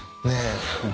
ねえ。